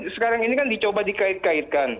sekarang ini kan dicoba dikait kaitkan